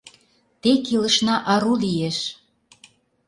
Тек илышна ару лиеш.